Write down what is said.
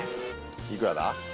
いくらだ？